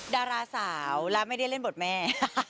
ดาราสาวและไม่ได้เล่นบทแม่